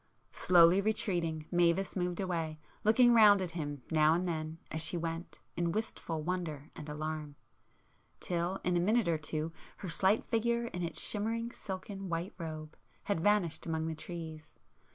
Slowly retreating, Mavis moved away, looking round at him now and then as she went, in wistful wonder and alarm,—till in a minute or two her slight figure in its shimmering silken white robe, had vanished among the trees.